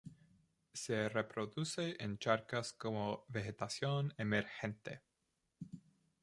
Se reproduce en charcas con vegetación emergente.